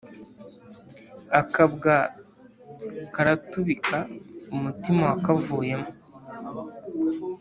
Akabwa karatubika umutima wakavuyemo